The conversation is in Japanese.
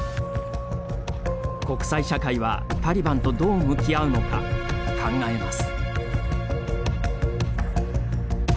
国際社会は、タリバンとどう向き合うのか、考えます。